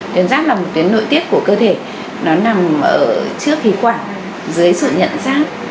xuy giáp là một tuyến nội tiết của cơ thể nó nằm trước khí quả dưới sự nhận giáp